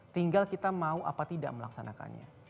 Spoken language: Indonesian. tinggal kita mau apa tidak melaksanakannya